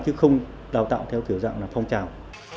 chứ không đào tạo theo kiểu dạng phong trào